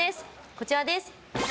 こちらです。